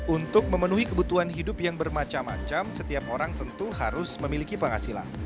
untuk memenuhi kebutuhan hidup yang bermacam macam setiap orang tentu harus memiliki penghasilan